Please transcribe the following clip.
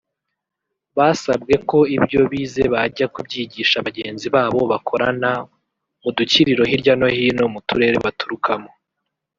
Basabwe ko ibyo bize bajya kubyigisha bagenzi babo bakorana mu dukiriro hirya no hino mu turere baturukamo